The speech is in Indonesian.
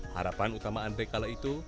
harapan utama andre kala itu